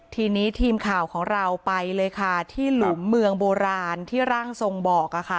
ทีนี้ทีมข่าวของเราไปเลยค่ะที่หลุมเมืองโบราณที่ร่างทรงบอก